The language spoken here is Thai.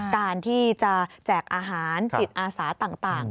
การที่จะแจกอาหารจิตอาสาต่าง